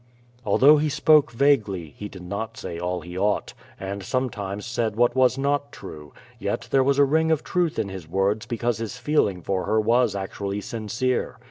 Although he spoke vaguely, he did not say all he ought, and sometimes said what was not true, yet there was a ring of truth in his words because his feeling for her was actually sincere.